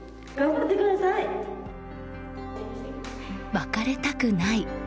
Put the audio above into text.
別れたくない。